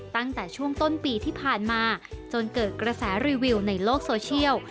ตั้งแต่ช่วงต้นปีที่ผ่านมาจนเกิดกระแสรีวิวในโลกโซเชียล